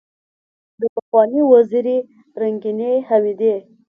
دپخوانۍ وزیرې رنګینې حمیدې